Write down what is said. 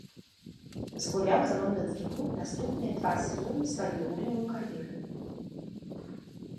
Згуляў за лонданскі клуб наступныя два сезоны сваёй гульнявой кар'еры.